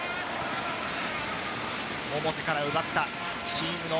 百瀬から奪った。